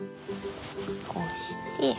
こうして。